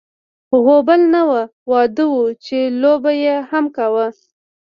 غوبل نه و، واده و چې لو به یې هم کاوه.